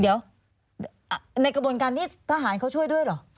เดี๋ยวในกระบวนการนี้ทหารเขาช่วยด้วยเหรอ